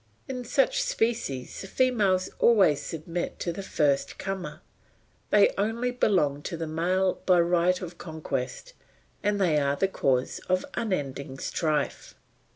In such species the females always submit to the first comer, they only belong to the male by right of conquest, and they are the cause of unending strife.